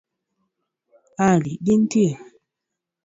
Ali, gintie.